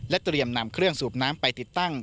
เตรียมนำเครื่องสูบน้ำไปติดตั้ง